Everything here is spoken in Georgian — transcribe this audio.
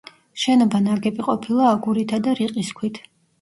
შენობა ნაგები ყოფილა აგურითა და რიყის ქვით.